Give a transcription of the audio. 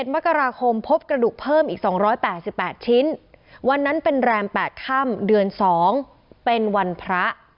มกราคมพบกระดูกเพิ่มอีก๒๘๘ชิ้นวันนั้นเป็นแรม๘ค่ำเดือน๒เป็นวันพระ